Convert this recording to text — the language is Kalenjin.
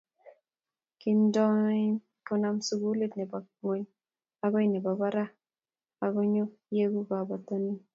Kintoen koname sukulit ne bo ngony okoi ne bo barak akinyoo ieku kabotin?